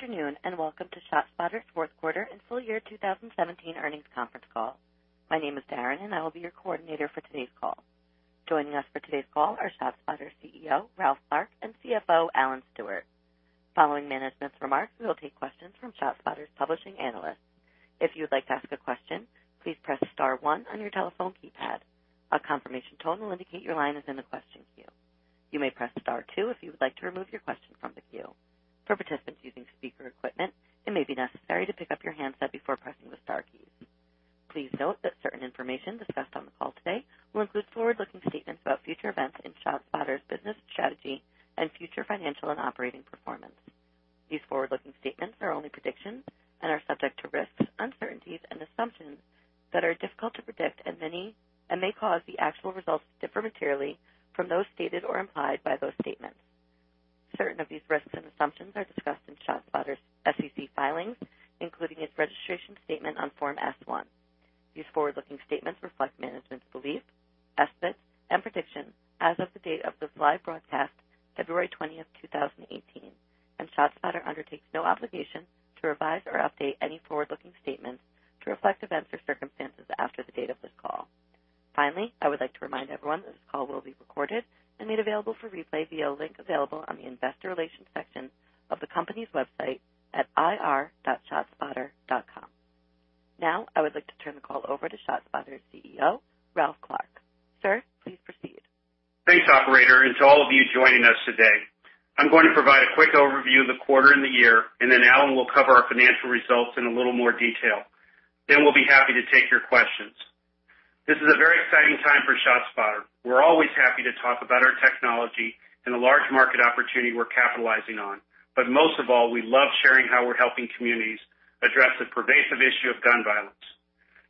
Good afternoon, and welcome to ShotSpotter's fourth quarter and full year 2017 earnings conference call. My name is Darren, and I will be your coordinator for today's call. Joining us for today's call are ShotSpotter's CEO, Ralph Clark, and CFO, Alan Stewart. Following management's remarks, we will take questions from ShotSpotter's publishing analysts. If you would like to ask a question, please press star one on your telephone keypad. A confirmation tone will indicate your line is in the question queue. You may press star two if you would like to remove your question from the queue. For participants using speaker equipment, it may be necessary to pick up your handset before pressing the star keys. Please note that certain information discussed on the call today will include forward-looking statements about future events in ShotSpotter's business strategy and future financial and operating performance. These forward-looking statements are only predictions and are subject to risks, uncertainties, and assumptions that are difficult to predict and may cause the actual results to differ materially from those stated or implied by those statements. Certain of these risks and assumptions are discussed in ShotSpotter's SEC filings, including its registration statement on Form S-1. These forward-looking statements reflect management's beliefs, estimates, and predictions as of the date of this live broadcast, February 20th, 2018, and ShotSpotter undertakes no obligation to revise or update any forward-looking statements to reflect events or circumstances after the date of this call. Finally, I would like to remind everyone that this call will be recorded and made available for replay via a link available on the investor relations section of the company's website at ir.shotspotter.com. Now, I would like to turn the call over to ShotSpotter's CEO, Ralph Clark. Sir, please proceed. Thanks, operator, and to all of you joining us today. I'm going to provide a quick overview of the quarter and the year, and then Alan will cover our financial results in a little more detail. Then we'll be happy to take your questions. This is a very exciting time for ShotSpotter. We're always happy to talk about our technology and the large market opportunity we're capitalizing on. But most of all, we love sharing how we're helping communities address the pervasive issue of gun violence.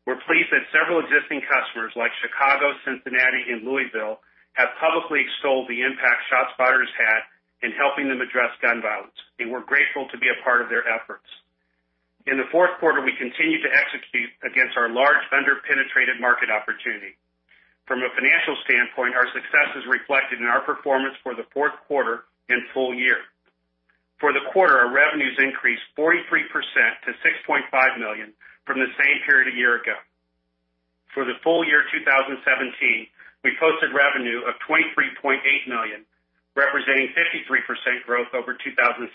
We're pleased that several existing customers, like Chicago, Cincinnati, and Louisville, have publicly extolled the impact ShotSpotter's had in helping them address gun violence, and we're grateful to be a part of their efforts. In the fourth quarter, we continued to execute against our large, under-penetrated market opportunity. From a financial standpoint, our success is reflected in our performance for the fourth quarter and full year. For the quarter, our revenues increased 43% to $6.5 million from the same period a year ago. For the full year 2017, we posted revenue of $23.8 million, representing 53% growth over 2016.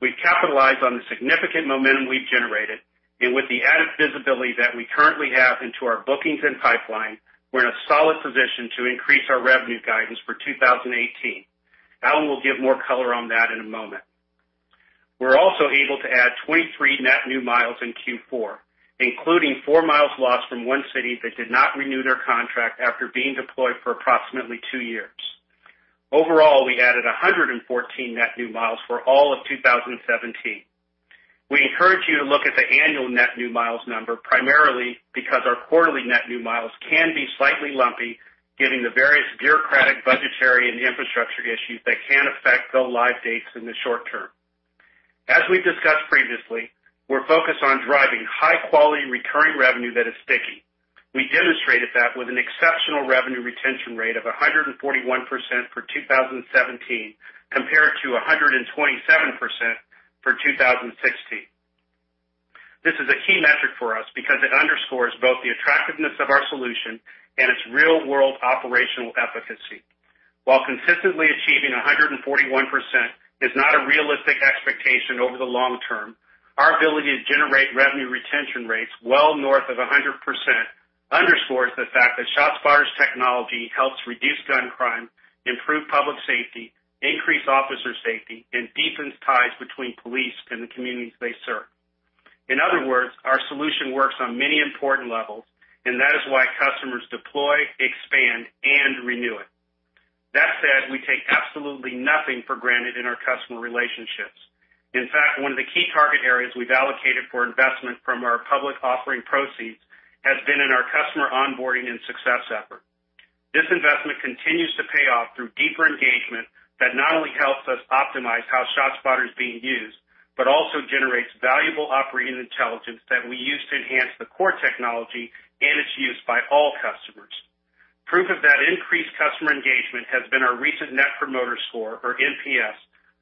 We've capitalized on the significant momentum we've generated, and with the added visibility that we currently have into our bookings and pipeline, we're in a solid position to increase our revenue guidance for 2018. Alan will give more color on that in a moment. We were also able to add 23 net new miles in Q4, including four miles lost from one city that did not renew their contract after being deployed for approximately two years. Overall, we added 114 net new miles for all of 2017. We encourage you to look at the annual net new miles number primarily because our quarterly net new miles can be slightly lumpy given the various bureaucratic, budgetary, and infrastructure issues that can affect go-live dates in the short term. As we've discussed previously, we're focused on driving high-quality, recurring revenue that is sticky. We demonstrated that with an exceptional revenue retention rate of 141% for 2017, compared to 127% for 2016. This is a key metric for us because it underscores both the attractiveness of our solution and its real-world operational efficacy. While consistently achieving 141% is not a realistic expectation over the long term, our ability to generate revenue retention rates well north of 100% underscores the fact that ShotSpotter's technology helps reduce gun crime, improve public safety, increase officer safety, and deepens ties between police and the communities they serve. In other words, our solution works on many important levels, and that is why customers deploy, expand, and renew it. That said, we take absolutely nothing for granted in our customer relationships. In fact, one of the key target areas we've allocated for investment from our public offering proceeds has been in our customer onboarding and success effort. This investment continues to pay off through deeper engagement that not only helps us optimize how ShotSpotter's being used, but also generates valuable operating intelligence that we use to enhance the core technology and its use by all customers. Proof of that increased customer engagement has been our recent net promoter score, or NPS,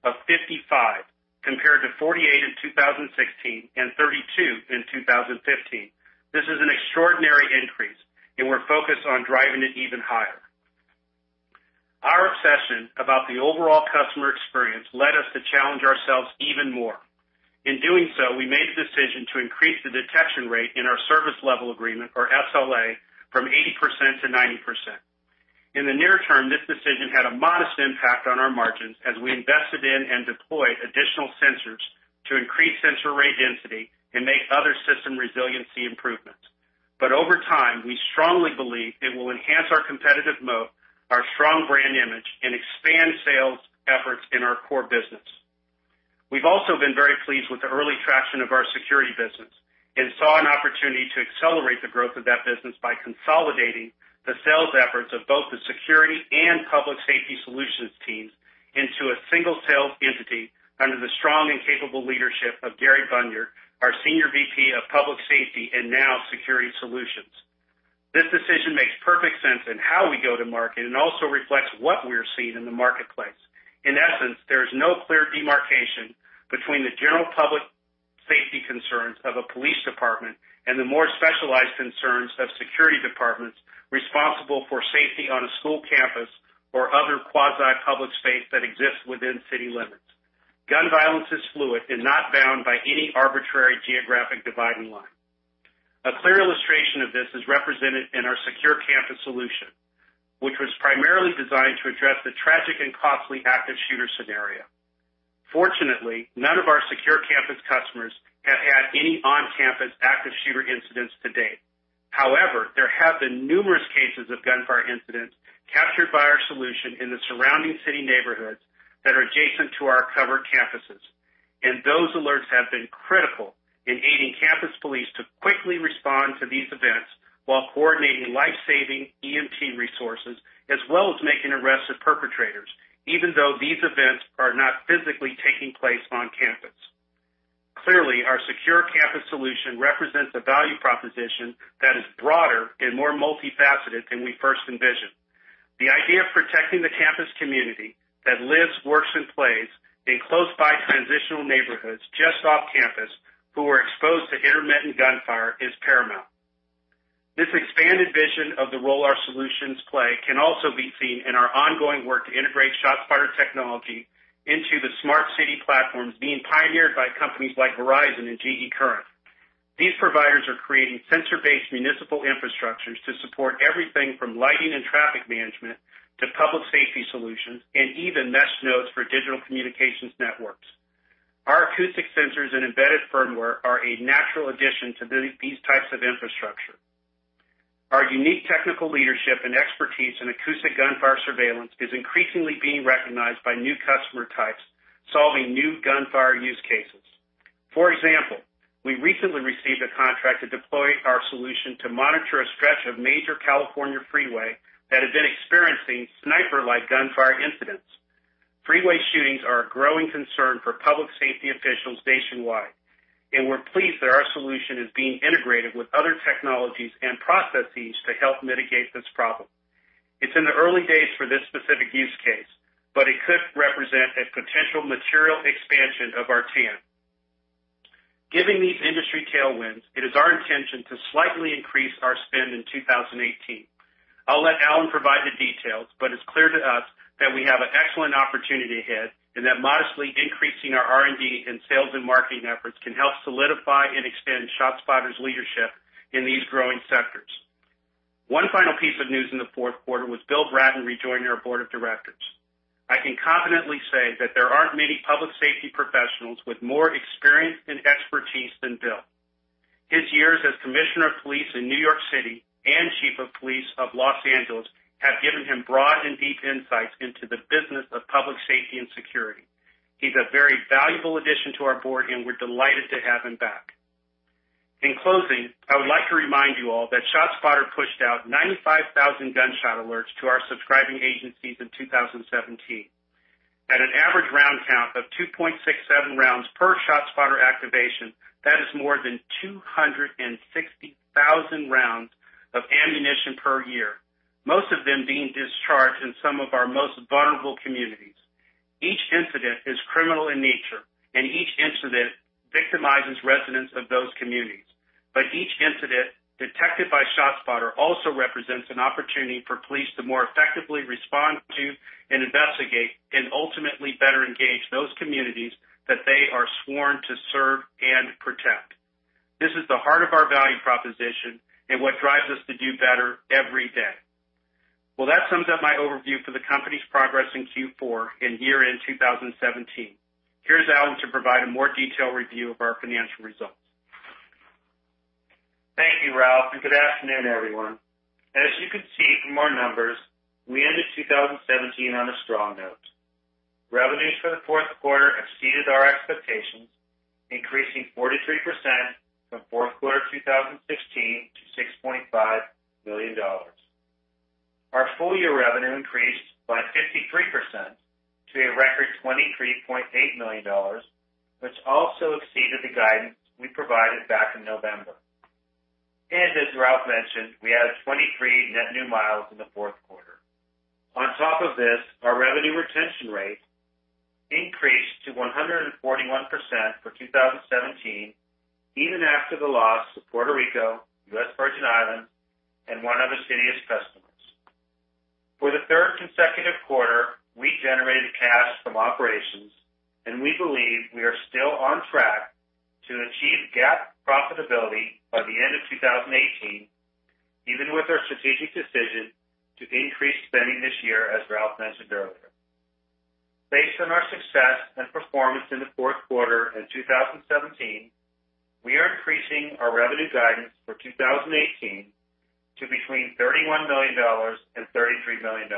of 55, compared to 48 in 2016 and 32 in 2015. This is an extraordinary increase, and we're focused on driving it even higher. Our obsession about the overall customer experience led us to challenge ourselves even more. In doing so, we made the decision to increase the detection rate in our service level agreement, or SLA, from 80% to 90%. In the near term, this decision had a modest impact on our margins as we invested in and deployed additional sensors to increase sensor rate density and make other system resiliency improvements. Over time, we strongly believe it will enhance our competitive moat, our strong brand image, and expand sales efforts in our core business. We've also been very pleased with the early traction of our security business and saw an opportunity to accelerate the growth of that business by consolidating the sales efforts of both the security and Public Safety Solutions teams into a single sales entity under the strong and capable leadership of Gary Bunyard, our Senior VP of Public Safety and now Security Solutions. This decision makes perfect sense in how we go to market and also reflects what we're seeing in the marketplace. In essence, there is no clear demarcation between the general public safety concerns of a police department and the more specialized concerns of security departments responsible for safety on a school campus or other quasi-public space that exists within city limits. Gun violence is fluid and not bound by any arbitrary geographic dividing line. A clear illustration of this is represented in our secure campus solution, which was primarily designed to address the tragic and costly active shooter scenario. Fortunately, none of our secure campus customers have had any on-campus active shooter incidents to date. However, there have been numerous cases of gunfire incidents captured by our solution in the surrounding city neighborhoods that are adjacent to our covered campuses. Those alerts have been critical in aiding campus police to quickly respond to these events while coordinating life-saving EMT resources, as well as making arrests of perpetrators, even though these events are not physically taking place on campus. Clearly, our secure campus solution represents a value proposition that is broader and more multifaceted than we first envisioned. The idea of protecting the campus community that lives, works, and plays in close-by transitional neighborhoods just off campus who are exposed to intermittent gunfire is paramount. This expanded vision of the role our solutions play can also be seen in our ongoing work to integrate ShotSpotter technology into the smart city platforms being pioneered by companies like Verizon and GE Current. These providers are creating sensor-based municipal infrastructures to support everything from lighting and traffic management to public safety solutions, and even mesh nodes for digital communications networks. Our acoustic sensors and embedded firmware are a natural addition to these types of infrastructure. Our unique technical leadership and expertise in acoustic gunfire surveillance is increasingly being recognized by new customer types, solving new gunfire use cases. For example, we recently received a contract to deploy our solution to monitor a stretch of major California freeway that had been experiencing sniper-like gunfire incidents. Freeway shootings are a growing concern for public safety officials nationwide, and we're pleased that our solution is being integrated with other technologies and processes to help mitigate this problem. It's in the early days for this specific use case, but it could represent a potential material expansion of our TAM. Given these industry tailwinds, it is our intention to slightly increase our spend in 2018. I'll let Alan provide the details, it's clear to us that we have an excellent opportunity ahead and that modestly increasing our R&D and sales and marketing efforts can help solidify and extend ShotSpotter's leadership in these growing sectors. One final piece of news in the fourth quarter was Bill Bratton rejoining our board of directors. I can confidently say that there aren't many public safety professionals with more experience and expertise than Bill. His years as Commissioner of Police in New York City and Chief of Police of Los Angeles have given him broad and deep insights into the business of public safety and security. He's a very valuable addition to our board, and we're delighted to have him back. In closing, I would like to remind you all that ShotSpotter pushed out 95,000 gunshot alerts to our subscribing agencies in 2017. At an average round count of 2.67 rounds per ShotSpotter activation, that is more than 260,000 rounds of ammunition per year, most of them being discharged in some of our most vulnerable communities. Each incident is criminal in nature, and each incident victimizes residents of those communities. Each incident detected by ShotSpotter also represents an opportunity for police to more effectively respond to and investigate, and ultimately better engage those communities that they are sworn to serve and protect. This is the heart of our value proposition and what drives us to do better every day. Well, that sums up my overview for the company's progress in Q4 and year-end 2017. Here's Alan to provide a more detailed review of our financial results. Thank you, Ralph, and good afternoon, everyone. As you can see from our numbers, we ended 2017 on a strong note. Revenues for the fourth quarter exceeded our expectations, increasing 43% from fourth quarter 2016 to $6.5 million. Our full-year revenue increased by 53% to a record $23.8 million, which also exceeded the guidance we provided back in November. As Ralph mentioned, we added 23 net new miles in the fourth quarter. On top of this, our revenue retention rate increased to 141% for 2017, even after the loss of Puerto Rico, U.S. Virgin Islands, and one of the city's customers. For the third consecutive quarter, we generated cash from operations, and we believe we are still on track to achieve GAAP profitability by the end of 2018, even with our strategic decision to increase spending this year, as Ralph mentioned earlier. Based on our success and performance in the fourth quarter and 2017, we are increasing our revenue guidance for 2018 to between $31 million and $33 million.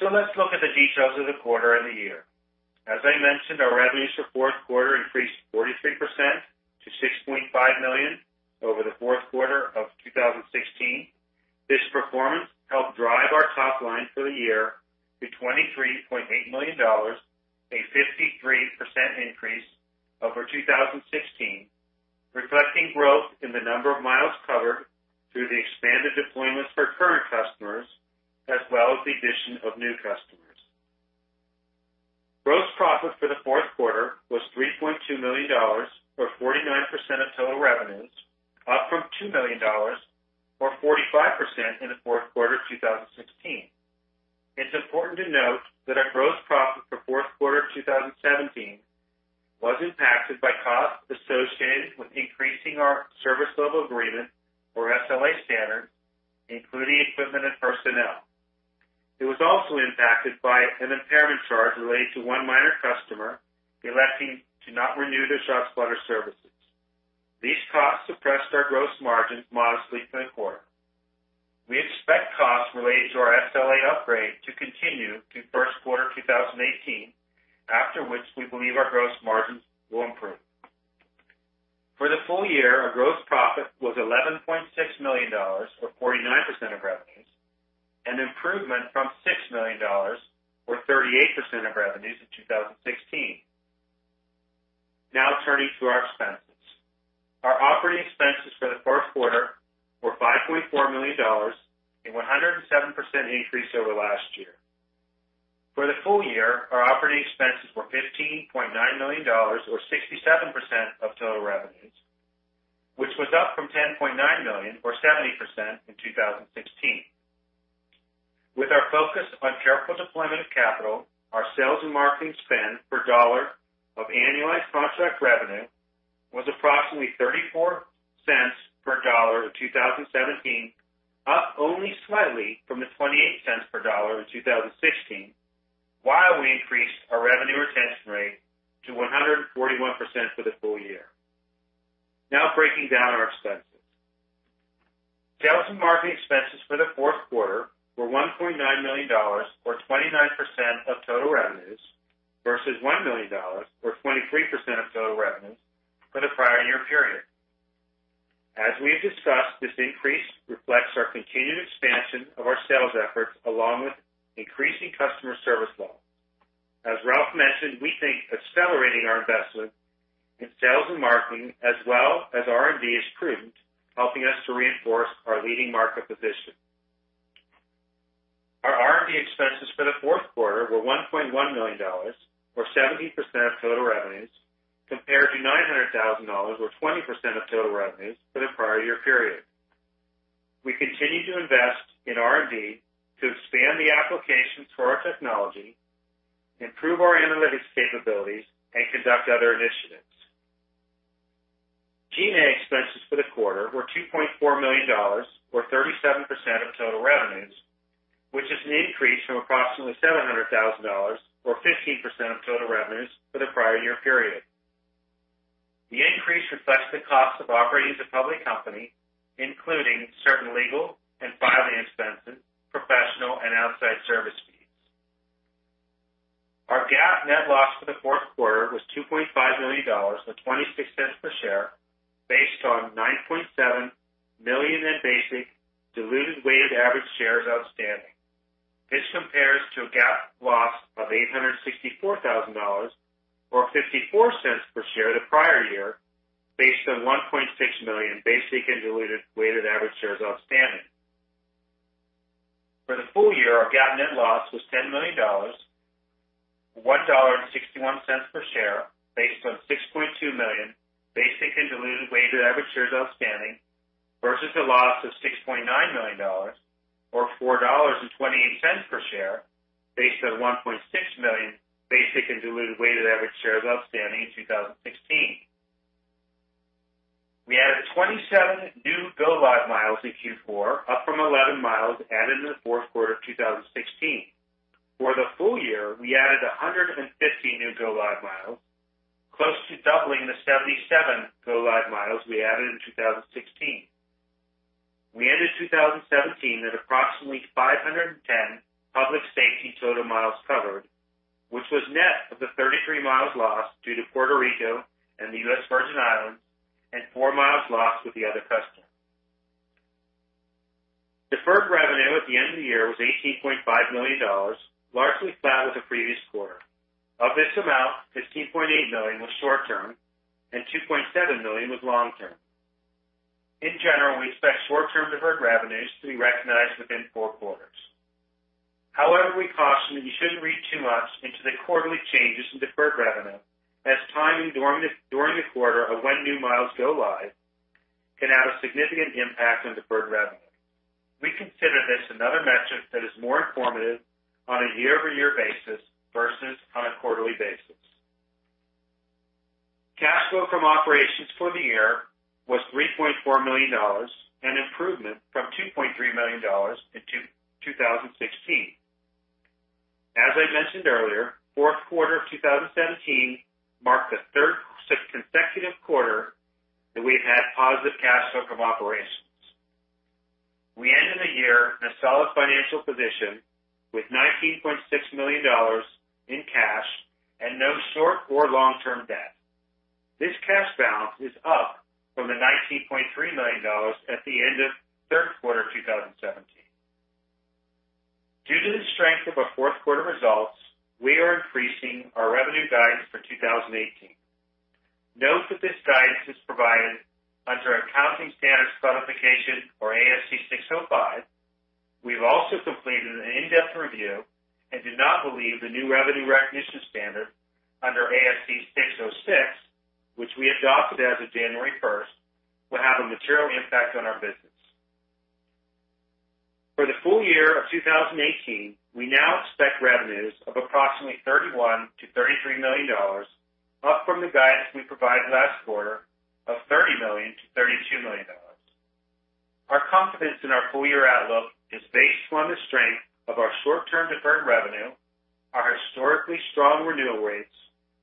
Let's look at the details of the quarter and the year. As I mentioned, our revenues for fourth quarter increased 43% to $6.5 million over the fourth quarter of 2016. This performance helped drive our top line for the year to $23.8 million, a 53% increase over 2016, reflecting growth in the number of miles covered through the expanded deployments for current customers, as well as the addition of new customers. Gross profit for the fourth quarter was $3.2 million, or 49% of total revenues, up from $2 million, or 45% in the fourth quarter of 2016. It's important to note that our gross profit for fourth quarter 2017 was impacted by costs associated with increasing our service level agreement, or SLA standard, including equipment and personnel. It was also impacted by an impairment charge related to one minor customer electing to not renew their ShotSpotter services. These costs suppressed our gross margins modestly for the quarter. We expect costs related to our SLA upgrade to continue through first quarter 2018, after which we believe our gross margins will improve. For the full year, our gross profit was $11.6 million, or 49% of revenues, an improvement from $6 million or 38% of revenues in 2016. Turning to our expenses. Our operating expenses for the fourth quarter were $5.4 million, a 107% increase over last year. For the full year, our operating expenses were $15.9 million, or 67% of total revenues, which was up from $10.9 million or 70% in 2016. With our focus on careful deployment of capital, our sales and marketing spend per dollar of annualized contract revenue was approximately $0.34 per dollar in 2017, up only slightly from the $0.28 per dollar in 2016, while we increased our revenue retention rate to 141% for the full year. Breaking down our expenses. Sales and marketing expenses for the fourth quarter were $1.9 million, or 29% of total revenues, versus $1 million or 23% of total revenues for the prior year period. As we have discussed, this increase reflects our continued expansion of our sales efforts along with increasing customer service levels. As Ralph mentioned, we think accelerating our investment in sales and marketing as well as R&D is prudent, helping us to reinforce our leading market position. Our R&D expenses for the fourth quarter were $1.1 million, or 17% of total revenues, compared to $900,000 or 20% of total revenues for the prior year period. We continue to invest in R&D to expand the applications for our technology, improve our analytics capabilities, and conduct other initiatives. G&A expenses for the quarter were $2.4 million, or 37% of total revenues, which is an increase from approximately $700,000 or 15% of total revenues for the prior year period. The increase reflects the cost of operating as a public company, including certain legal and filing expenses, professional and outside service fees. Our GAAP net loss for the fourth quarter was $2.5 million, or $0.26 per share based on 9.7 million in basic diluted weighted average shares outstanding. This compares to a GAAP loss of $864,000 or $0.54 per share the prior year, based on 1.6 million basic and diluted weighted average shares outstanding. For the full year, our GAAP net loss was $10 million, $1.61 per share based on 6.2 million basic and diluted weighted average shares outstanding, versus a loss of $6.9 million or $4.28 per share based on 1.6 million basic and diluted weighted average shares outstanding in 2016. We added 27 new go live miles in Q4, up from 11 miles added in the fourth quarter of 2016. For the full year, we added 150 new go live miles, close to doubling the 77 go live miles we added in 2016. We ended 2017 at approximately 510 public safety total miles covered, which was net of the 33 miles lost due to Puerto Rico and the U.S. Virgin Islands and four miles lost with the other customer. Deferred revenue at the end of the year was $18.5 million, largely flat with the previous quarter. Of this amount, $15.8 million was short-term and $2.7 million was long-term. In general, we expect short-term deferred revenues to be recognized within four quarters. However, we caution that you shouldn't read too much into the quarterly changes in deferred revenue, as timing during the quarter of when new miles go live can have a significant impact on deferred revenue. We consider this another metric that is more informative on a year-over-year basis versus on a quarterly basis. Cash flow from operations for the year was $3.4 million, an improvement from $2.3 million in 2016. As I mentioned earlier, fourth quarter of 2017 marked the third consecutive quarter that we've had positive cash flow from operations. We end the year in a solid financial position with $19.6 million in cash and no short or long-term debt. This cash balance is up from the $19.3 million at the end of third quarter 2017. Due to the strength of our fourth quarter results, we are increasing our revenue guidance for 2018. Note that this guidance is provided under Accounting Standards Codification, or ASC 605. We've also completed an in-depth review and do not believe the new revenue recognition standard under ASC 606, which we adopted as of January 1st, will have a material impact on our business. For the full year of 2018, we now expect revenues of approximately $31 million-$33 million, up from the guidance we provided last quarter of $30 million-$32 million. Our confidence in our full-year outlook is based on the strength of our short-term deferred revenue, our historically strong renewal rates,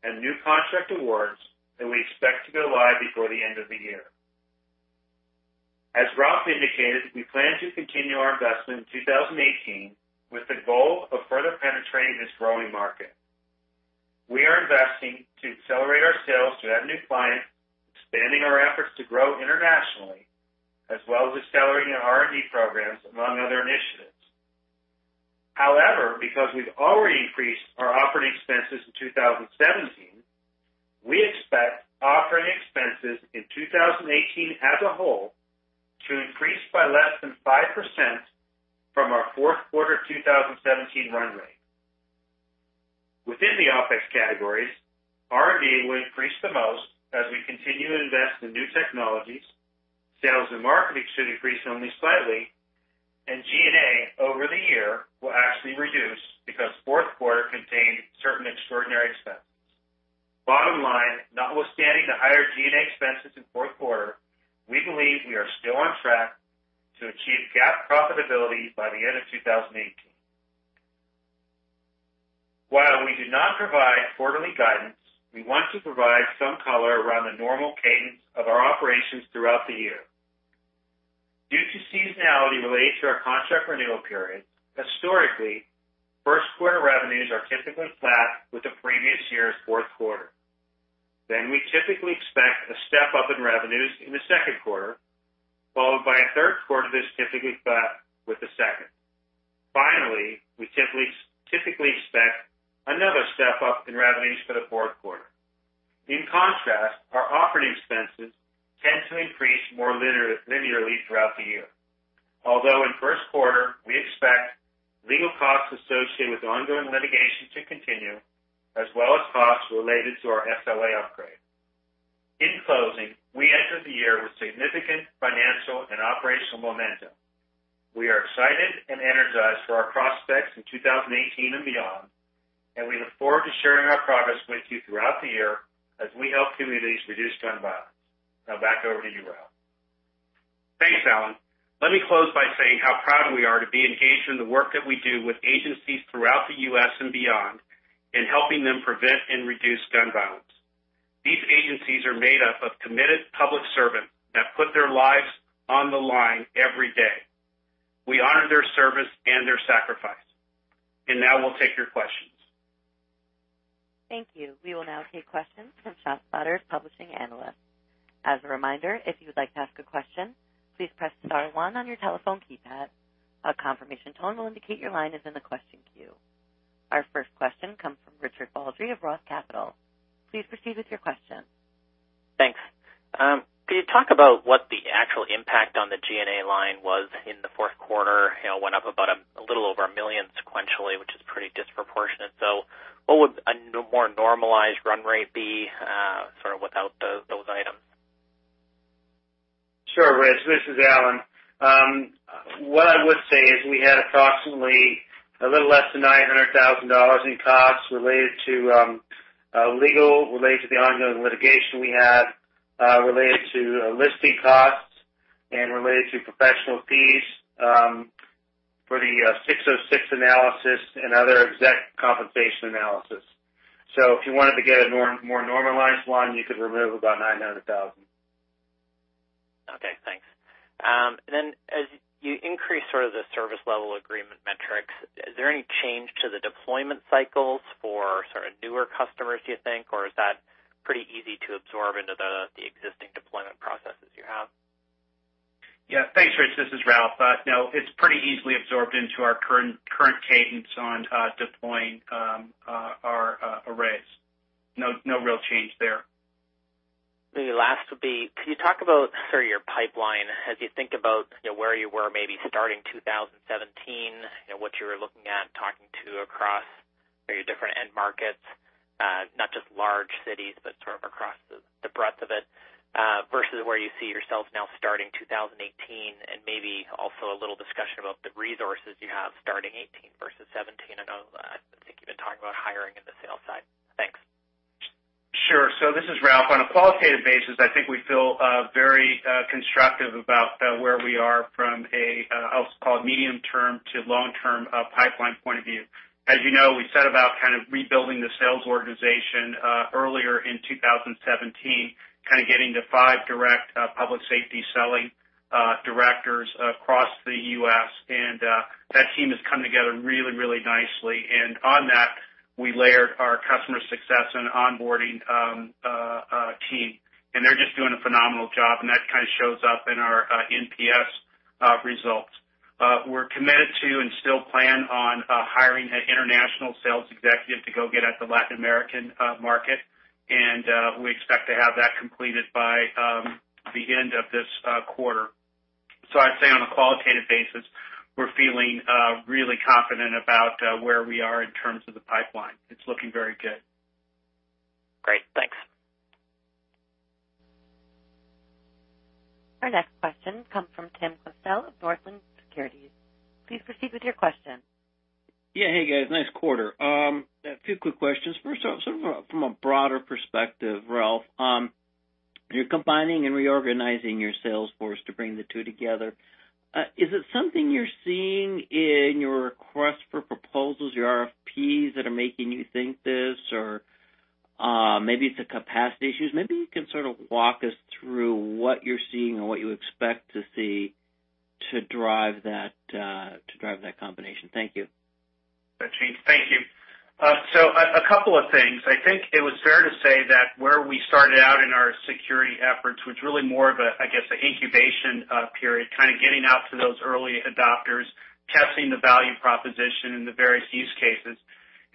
and new contract awards that we expect to go live before the end of the year. As Ralph indicated, we plan to continue our investment in 2018 with the goal of further penetrating this growing market. We are investing to accelerate our sales to add new clients, expanding our efforts to grow internationally, as well as accelerating our R&D programs, among other initiatives. However, because we've already increased our operating expenses in 2017, we expect operating expenses in 2018 as a whole to increase by less than 5% from our fourth quarter 2017 run rate. Within the opex categories, R&D will increase the most as we continue to invest in new technologies. Sales and marketing should increase only slightly, and G&A over the year will actually reduce because fourth quarter contained certain extraordinary expenses. Bottom line, notwithstanding the higher G&A expenses in fourth quarter, we believe we are still on track to achieve GAAP profitability by the end of 2018. While we do not provide quarterly guidance, we want to provide some color around the normal cadence of our operations throughout the year. We typically expect a step-up in revenues in the second quarter, followed by a third quarter that's typically flat with the second. Due to seasonality related to our contract renewal periods, historically, first-quarter revenues are typically flat with the previous year's fourth quarter. We typically expect another step-up in revenues for the fourth quarter. In contrast, our operating expenses tend to increase more linearly throughout the year. Although in the first quarter, we expect legal costs associated with ongoing litigation to continue, as well as costs related to our SLA upgrade. In closing, we enter the year with significant financial and operational momentum. We are excited and energized for our prospects in 2018 and beyond, and we look forward to sharing our progress with you throughout the year as we help communities reduce gun violence. Now back over to you, Ralph. Thanks, Alan. Let me close by saying how proud we are to be engaged in the work that we do with agencies throughout the U.S. and beyond in helping them prevent and reduce gun violence. These agencies are made up of committed public servants that put their lives on the line every day. We honor their service and their sacrifice. Now we'll take your questions. Thank you. We will now take questions from ShotSpotter's publishing analysts. As a reminder, if you would like to ask a question, please press star one on your telephone keypad. A confirmation tone will indicate your line is in the question queue. Our first question comes from Richard Baldry of ROTH Capital. Please proceed with your question. Thanks. Could you talk about what the actual impact on the G&A line was in the fourth quarter? It went up about a little over $1 million sequentially, which is pretty disproportionate. What would a more normalized run rate be sort of without those items? Sure, Rich. This is Alan. What I would say is we had approximately a little less than $900,000 in costs related to legal, related to the ongoing litigation we have, related to listing costs, and related to professional fees for the 606 analysis and other exec compensation analysis. If you wanted to get a more normalized one, you could remove about $900,000. Okay, thanks. As you increase sort of the service level agreement metrics, is there any change to the deployment cycles for sort of newer customers, do you think, or is that pretty easy to absorb into the existing deployment processes you have? Yeah. Thanks, Rich. This is Ralph. No, it's pretty easily absorbed into our current cadence on deploying our arrays. No real change there. The last would be, could you talk about sort of your pipeline as you think about where you were maybe starting 2017, what you were looking at talking to across your different end markets, not just large cities, but sort of across the breadth of it, versus where you see yourselves now starting 2018 and maybe also a little discussion about the resources you have starting 2018 versus 2017. I know I think you've been talking about hiring in the sales side. Thanks. Sure. This is Ralph. On a qualitative basis, I think we feel very constructive about where we are from a, I'll call it medium term to long-term pipeline point of view. As you know, we set about kind of rebuilding the sales organization earlier in 2017, kind of getting to five direct public safety selling directors across the U.S., and that team has come together really, really nicely. On that, we layered our customer success and onboarding team, and they're just doing a phenomenal job. That kind of shows up in our NPS results. We're committed to and still plan on hiring an international sales executive to go get at the Latin American market. We expect to have that completed by the end of this quarter. I'd say on a qualitative basis, we're feeling really confident about where we are in terms of the pipeline. It's looking very good. Great. Thanks. Our next question comes from Tim Cusell of Northland Securities. Please proceed with your question. Yeah. Hey, guys. Nice quarter. A few quick questions. First off, from a broader perspective, Ralph, you're combining and reorganizing your sales force to bring the two together. Is it something you're seeing in your request for proposals, your RFPs, that are making you think this? Or maybe it's the capacity issues. Maybe you can sort of walk us through what you're seeing and what you expect to see to drive that combination. Thank you. Thank you. A couple of things. I think it was fair to say that where we started out in our security efforts, which really more of, I guess, the incubation period, kind of getting out to those early adopters, testing the value proposition in the various use cases.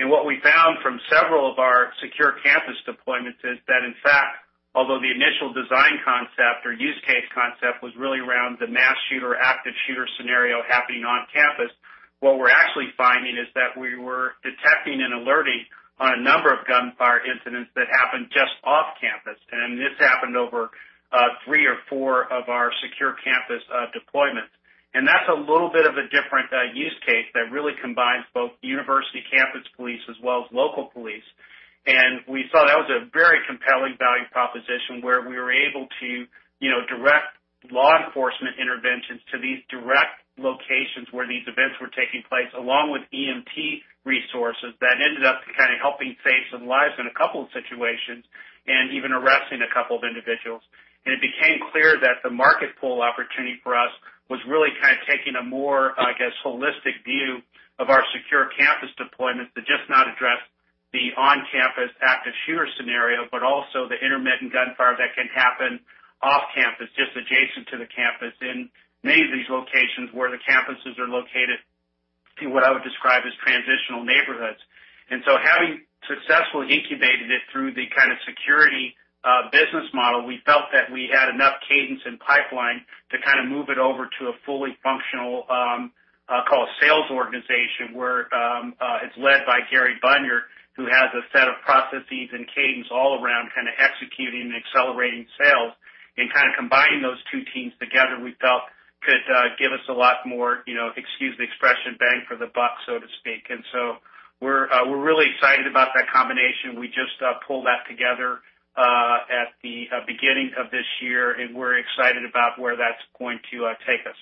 What we found from several of our secure campus deployments is that, in fact, although the initial design concept or use case concept was really around the mass shooter, active shooter scenario happening on campus, what we're actually finding is that we were detecting and alerting on a number of gunfire incidents that happened just off campus. This happened over three or four of our secure campus deployments. That's a little bit of a different use case that really combines both university campus police as well as local police. We thought that was a very compelling value proposition where we were able to direct law enforcement interventions to these direct locations where these events were taking place, along with EMT resources that ended up kind of helping save some lives in a couple of situations, and even arresting a couple of individuals. It became clear that the market pool opportunity for us was really kind of taking a more, I guess, holistic view of our secure campus deployments to just not address the on-campus active shooter scenario, but also the intermittent gunfire that can happen off campus, just adjacent to the campus in many of these locations where the campuses are located to what I would describe as transitional neighborhoods. Having successfully incubated it through the kind of security business model, we felt that we had enough cadence and pipeline to kind of move it over to a fully functional call sales organization where it's led by Gary Bunyard, who has a set of processes and cadence all around kind of executing and accelerating sales. Combining those two teams together, we felt could give us a lot more, excuse the expression, bang for the buck, so to speak. We're really excited about that combination. We just pulled that together at the beginning of this year, and we're excited about where that's going to take us.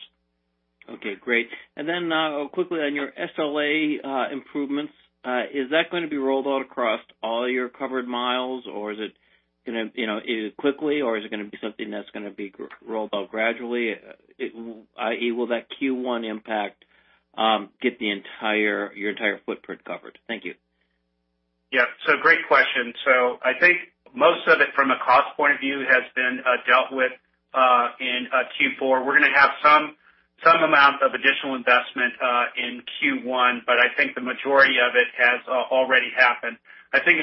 Okay, great. Quickly on your SLA improvements, is that going to be rolled out across all your covered miles, or is it quickly or is it going to be something that's going to be rolled out gradually? Will that Q1 impact get your entire footprint covered? Thank you. Great question. I think most of it from a cost point of view, has been dealt with in Q4. We're going to have some amount of additional investment in Q1, but I think the majority of it has already happened. I think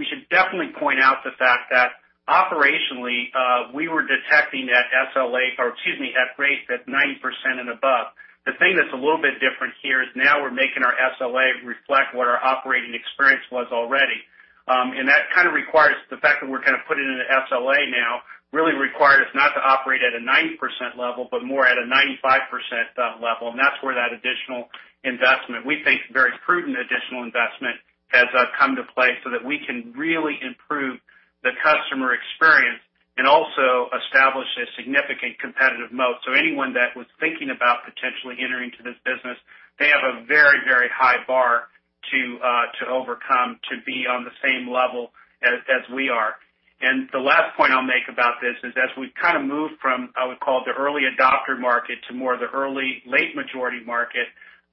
we should definitely point out the fact that operationally, we were detecting at SLA, or excuse me, at rates at 90% and above. The thing that's a little bit different here is now we're making our SLA reflect what our operating experience was already. That kind of requires the fact that we're kind of putting in an SLA now really requires us not to operate at a 90% level, but more at a 95% level. That's where that additional investment, we think very prudent additional investment has come to play so that we can really improve the customer experience and also establish a significant competitive moat. Anyone that was thinking about potentially entering into this business, they have a very, very high bar to overcome to be on the same level as we are. The last point I'll make about this is, as we've kind of moved from, I would call it, the early adopter market to more of the early late majority market,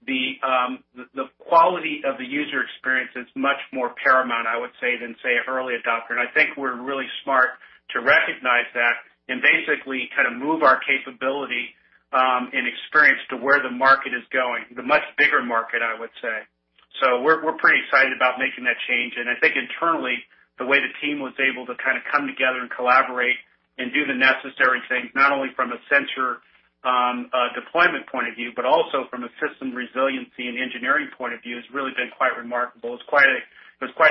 the quality of the user experience is much more paramount, I would say, than, say, early adopter. I think we're really smart to recognize that and basically kind of move our capability and experience to where the market is going, the much bigger market, I would say. We're pretty excited about making that change. I think internally, the way the team was able to kind of come together and collaborate and do the necessary things, not only from a sensor deployment point of view, but also from a system resiliency and engineering point of view, has really been quite remarkable. It was quite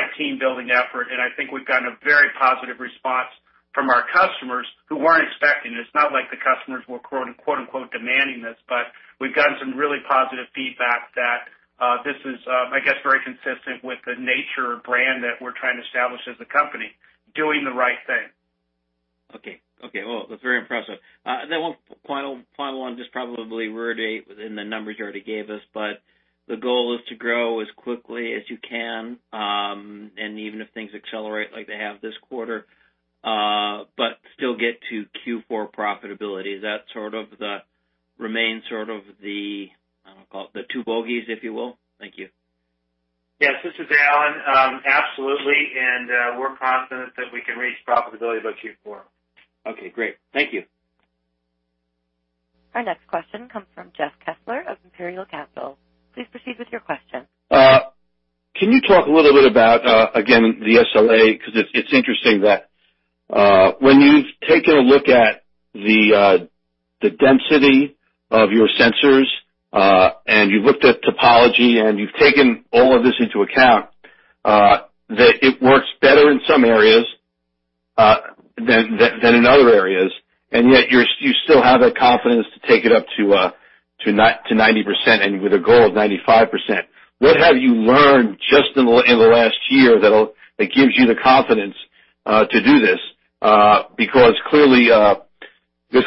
a team-building effort, and I think we've gotten a very positive response from our customers who weren't expecting this. Not like the customers were, quote unquote, demanding this, but we've gotten some really positive feedback that this is, I guess, very consistent with the nature of brand that we're trying to establish as a company doing the right thing. Okay. Well, that's very impressive. One final one, just probably reiterate within the numbers you already gave us, but the goal is to grow as quickly as you can, and even if things accelerate like they have this quarter, still get to Q4 profitability. Does that remain the, I don't know, call it the two bogeys, if you will? Thank you. Yes, this is Alan. Absolutely. We're confident that we can reach profitability by Q4. Okay, great. Thank you. Our next question comes from Jeff Kessler of Imperial Capital. Please proceed with your question. Can you talk a little bit about, again, the SLA, because it's interesting that when you've taken a look at the density of your sensors, and you've looked at topology, and you've taken all of this into account, that it works better in some areas than in other areas. Yet you still have that confidence to take it up to 90%, and with a goal of 95%. What have you learned just in the last year that gives you the confidence to do this?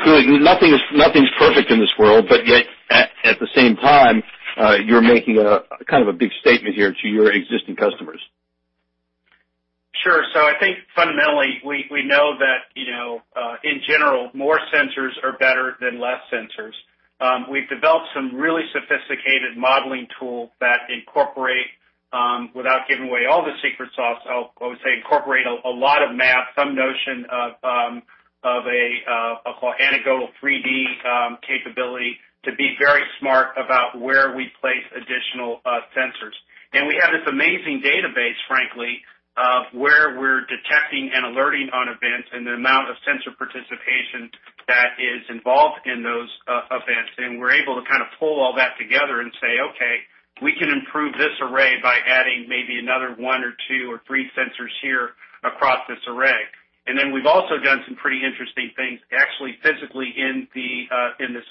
Clearly nothing's perfect in this world, but yet at the same time, you're making a big statement here to your existing customers. Sure. I think fundamentally, we know that in general, more sensors are better than less sensors. We've developed some really sophisticated modeling tools that incorporate, without giving away all the secret sauce, I would say incorporate a lot of math, some notion of a, I'll call anecdotal 3D capability to be very smart about where we place additional sensors. We have this amazing database, frankly, of where we're detecting and alerting on events and the amount of sensor participation that is involved in those events. We're able to pull all that together and say, "Okay, we can improve this array by adding maybe another one or two or three sensors here across this array." Then we've also done some pretty interesting things, actually physically in the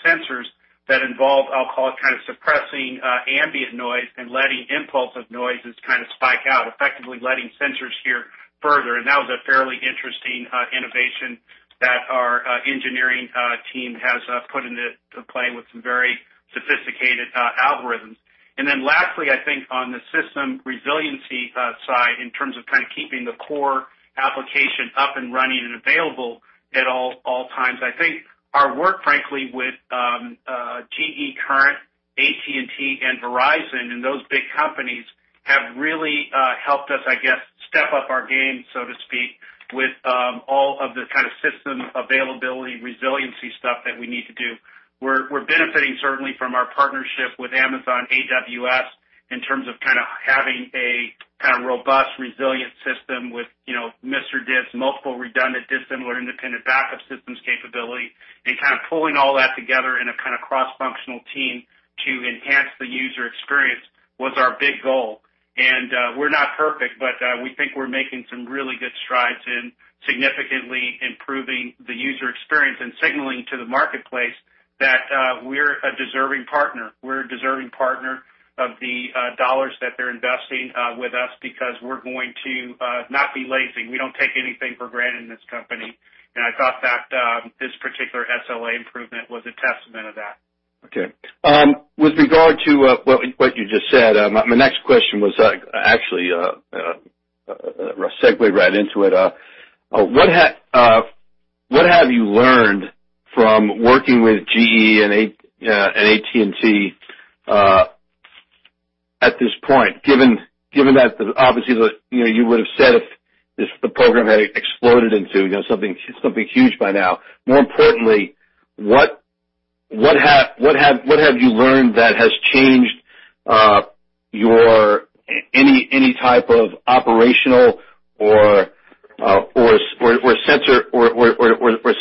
sensors that involve, I'll call it suppressing ambient noise and letting impulsive noises spike out, effectively letting sensors hear further. That was a fairly interesting innovation that our engineering team has put into play with some very sophisticated algorithms. Lastly, I think on the system resiliency side, in terms of keeping the core application up and running and available at all times, I think our work, frankly, with GE Current, AT&T, and Verizon, and those big companies, have really helped us, I guess, step up our game, so to speak, with all of the system availability, resiliency stuff that we need to do. We're benefiting certainly from our partnership with Amazon AWS in terms of having a robust resilient system with MRDIS, Multiple Redundant Dissimilar Independent Backup Systems capability, and pulling all that together in a cross-functional team to enhance the user experience was our big goal. We're not perfect, but we think we're making some really good strides in significantly improving the user experience and signaling to the marketplace that we're a deserving partner. We're a deserving partner of the dollars that they're investing with us because we're going to not be lazy. We don't take anything for granted in this company. I thought that this particular SLA improvement was a testament of that. Okay. With regard to what you just said, my next question was actually a segue right into it. What have you learned from working with GE and AT&T at this point, given that obviously you would've said if the program had exploded into something huge by now. More importantly, what have you learned that has changed any type of operational or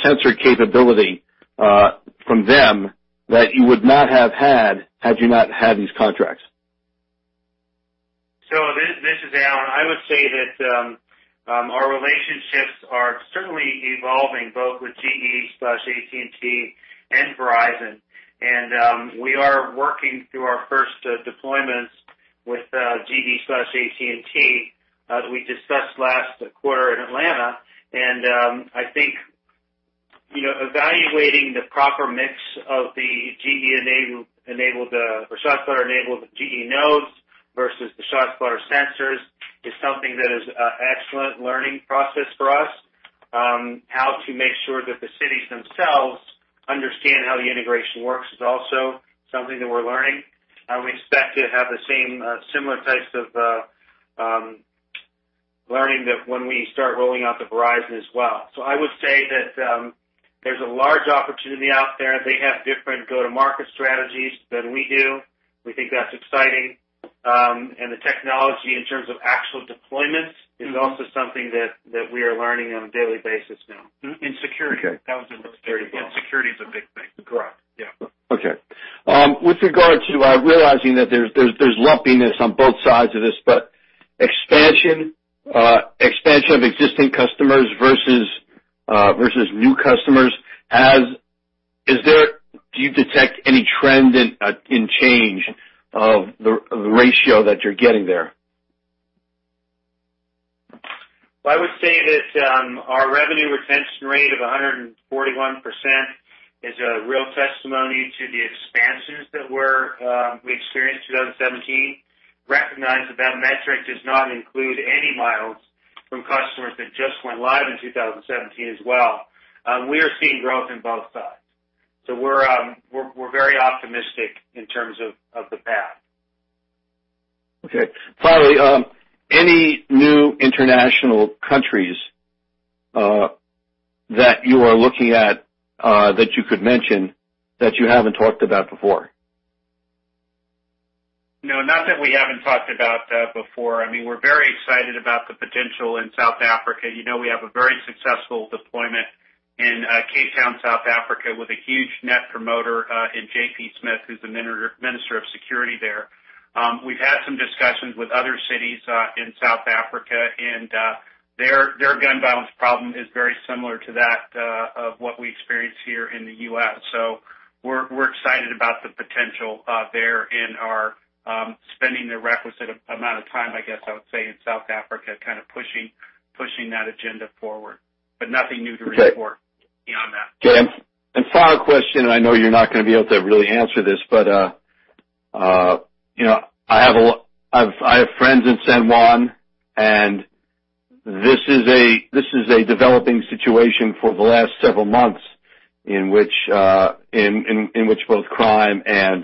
sensor capability from them that you would not have had you not had these contracts? This is Alan. I would say that our relationships are certainly evolving both with GE/AT&T and Verizon. We are working through our first deployments with GE/AT&T, as we discussed last quarter in Atlanta. I think evaluating the proper mix of the ShotSpotter-enabled GE nodes versus the ShotSpotter sensors is something that is an excellent learning process for us. How to make sure that the cities themselves understand how the integration works is also something that we're learning. We expect to have the similar types of learning when we start rolling out the Verizon as well. I would say that there's a large opportunity out there. They have different go-to-market strategies than we do. We think that's exciting. The technology in terms of actual deployments is also something that we are learning on a daily basis now. In security. Okay. That was in security. Yeah, security is a big thing. Correct. Yeah. Okay. With regard to realizing that there's lumpiness on both sides of this, but expansion of existing customers versus new customers, do you detect any trend in change of the ratio that you're getting there? I would say that our revenue retention rate of 141% is a real testimony to the expansions that we experienced in 2017. Recognize that that metric does not include any miles from customers that just went live in 2017 as well. We are seeing growth in both sides. We're very optimistic in terms of the path. Okay. Finally, any new international countries that you are looking at, that you could mention, that you haven't talked about before? No, not that we haven't talked about that before. We're very excited about the potential in South Africa. We have a very successful deployment in Cape Town, South Africa, with a huge net promoter in JP Smith, who's the Minister of Security there. We've had some discussions with other cities in South Africa, their gun violence problem is very similar to that of what we experience here in the U.S. We're excited about the potential there and are spending the requisite amount of time, I guess I would say, in South Africa, kind of pushing that agenda forward. Nothing new to report beyond that. Okay. Final question, I know you're not going to be able to really answer this, I have friends in San Juan, this is a developing situation for the last several months in which both crime and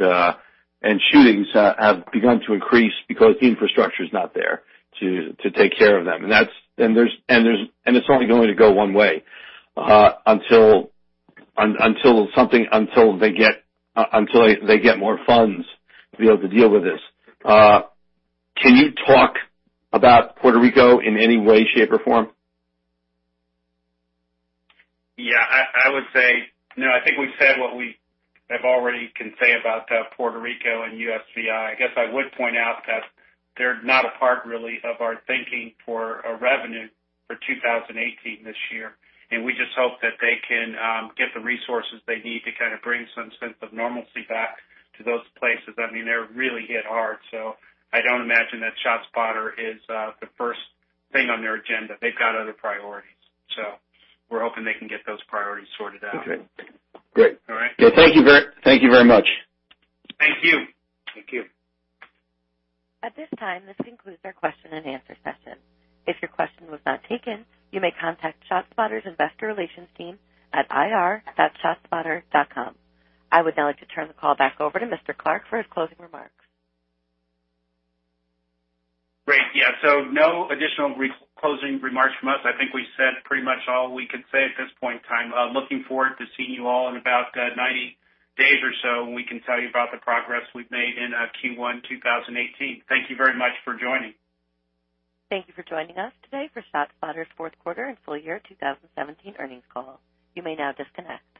shootings have begun to increase because the infrastructure is not there to take care of them. It's only going to go one way until they get more funds to be able to deal with this. Can you talk about Puerto Rico in any way, shape, or form? Yeah, I think we've said what we have already can say about Puerto Rico and USVI. I guess I would point out that they're not a part, really, of our thinking for a revenue for 2018 this year, we just hope that they can get the resources they need to kind of bring some sense of normalcy back to those places. They really hit hard, I don't imagine that ShotSpotter is the first thing on their agenda. They've got other priorities. We're hoping they can get those priorities sorted out. Okay, great. All right. Thank you very much. Thank you. Thank you. At this time, this concludes our question and answer session. If your question was not taken, you may contact ShotSpotter's investor relations team at ir.shotspotter.com. I would now like to turn the call back over to Mr. Clark for his closing remarks. Great. Yeah. No additional closing remarks from us. I think we said pretty much all we could say at this point in time. Looking forward to seeing you all in about 90 days or so when we can tell you about the progress we've made in Q1 2018. Thank you very much for joining. Thank you for joining us today for ShotSpotter's fourth quarter and full year 2017 earnings call. You may now disconnect.